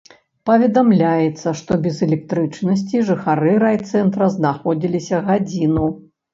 Паведамляецца, што без электрычнасці жыхары райцэнтра знаходзіліся гадзіну.